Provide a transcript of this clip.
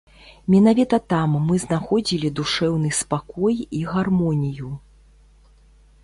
Менавіта там мы знаходзілі душэўны спакой і гармонію.